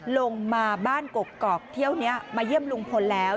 ลงมาบ้านเกาะเกาะเที่ยวเนี่ยมาเยี่ยมลุงพลแล้ว